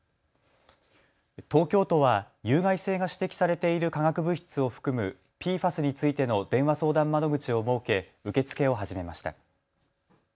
東京都は有害性が指摘されている化学物質を含むＰＦＡＳについての電話相談窓口を設け、受け付けを始めました。